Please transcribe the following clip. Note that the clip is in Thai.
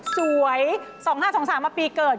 สวย๒๕๒๓มาปีเกิด